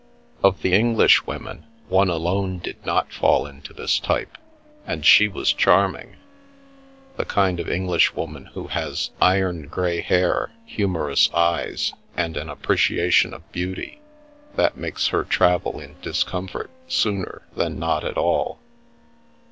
Of the English women, one alone did not fall into this type, and she was charming — the kind of English woman who has iron grey hair, humorous eyes, and an appreciation of beauty that makes her travel in discom fort sooner than not at all.